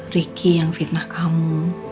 riki yang fitnah kamu